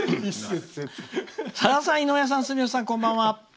「さださん、井上さん、住吉さんこんばんは。